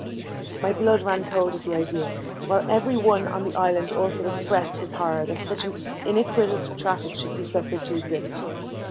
My blood ran cold at the idea, while every one on the island also expressed his horror that such an iniquitous traffic should be suffered to exist.